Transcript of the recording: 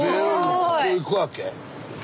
ここ行くわけ？